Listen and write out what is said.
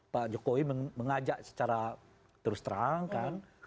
pak jokowi mengajak secara terus terang kan